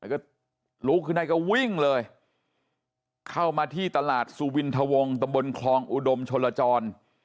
ก็ลุกขึ้นได้ก็วิ่งเลยเข้ามาที่ตลาดสุวินทวงตำบลคลองอุดมชลจร